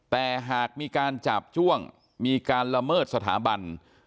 แต่หากมีการจาบจ้วงมีการละเมิดสถาบัน